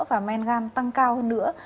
và men gan tăng cao hơn nữa